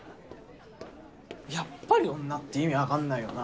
やっぱり女って意味分かんないよな。